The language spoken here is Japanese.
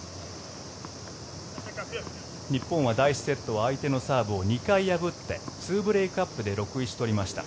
日本は第１セットは相手のサーブを２回破って２ブレークアップで６−１取りました。